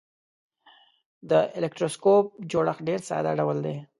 د الکتروسکوپ جوړښت ډیر ساده ډول دی.